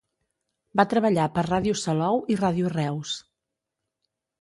Va treballar per Ràdio Salou i Ràdio Reus.